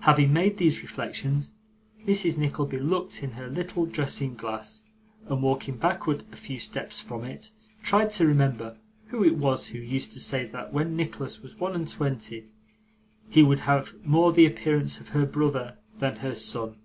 Having made these reflections, Mrs. Nickleby looked in her little dressing glass, and walking backward a few steps from it, tried to remember who it was who used to say that when Nicholas was one and twenty he would have more the appearance of her brother than her son.